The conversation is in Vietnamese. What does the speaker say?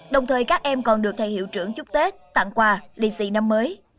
đồng thời các em còn được thầy hiệu trưởng chúc tết tặng quà lì xì năm mới